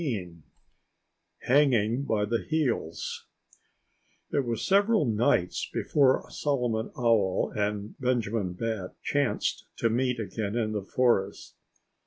XIV Hanging By The Heels It was several nights before Solomon Owl and Benjamin Bat chanced to meet again in the forest.